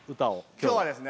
今日はですね